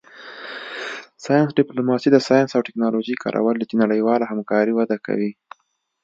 ساینس ډیپلوماسي د ساینس او ټیکنالوژۍ کارول دي چې نړیواله همکاري وده کوي